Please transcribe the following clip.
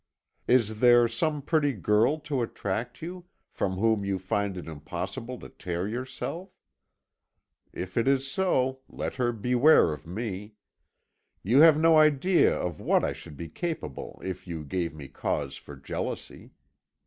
Is there some pretty girl to attract you, from whom you find it impossible to tear yourself? If it is so, let her beware of me. You have no idea of what I should be capable if you gave me cause for jealousy.